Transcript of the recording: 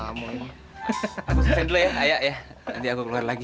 aku selesain dulu ya ayah ya nanti aku keluar lagi